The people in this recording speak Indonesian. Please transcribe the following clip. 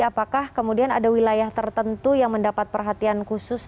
apakah kemudian ada wilayah tertentu yang mendapat perhatian khusus